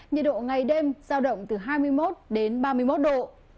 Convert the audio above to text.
nhiệt độ ngày đêm ra động từ hai mươi một ba mươi một độ